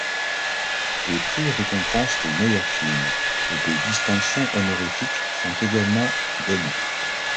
Des prix récompensent les meilleurs films et des distinctions honorifiques sont également données.